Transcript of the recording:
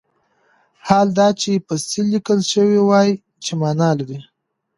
حال دا چې فصیل لیکل شوی وای چې معنی لري.